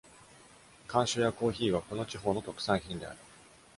甘蔗やコーヒーはこの地方の特産品である。